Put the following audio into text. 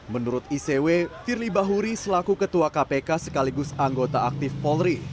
menurut icw firly bahuri selaku ketua kpk sekaligus anggota aktif polri